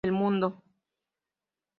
Del mundo.